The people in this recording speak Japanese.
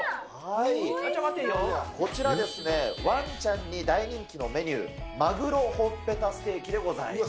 こちら、ワンちゃんに大人気のメニュー、鮪ほっぺたステーキでございます。